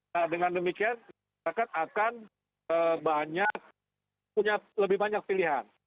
nah dengan demikian masyarakat akan banyak punya lebih banyak pilihan